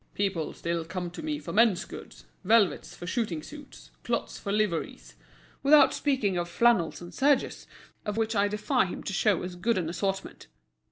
People still come to me for men's goods, velvets for shooting suits, cloths for liveries, without speaking of flannels and serges, of which I defy him to show as good an assortment.